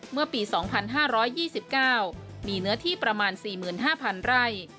เมื่อปี๒๕๒๙มีเนื้อที่ประมาณ๔๕๐๐๐ไร่